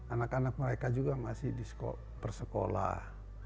anak anak mereka juga masih bersekolah